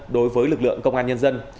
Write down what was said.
đối với lực lượng công an nhân dân